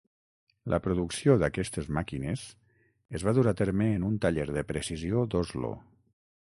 La producció d'aquestes màquines es va dur a terme en un taller de precisió d'Oslo.